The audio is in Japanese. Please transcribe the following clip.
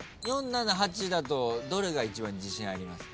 ４７８だとどれが一番自信あります？